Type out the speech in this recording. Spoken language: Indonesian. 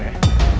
masa ini bapak